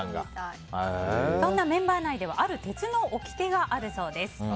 そんなメンバー内ではある鉄のおきてがあるそうです。